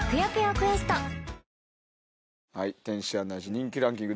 人気ランキング